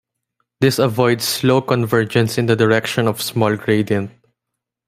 This avoids slow convergence in the direction of small gradient.